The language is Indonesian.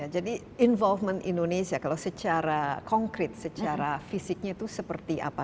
jadi involvement indonesia kalau secara konkret secara fisiknya itu seperti apa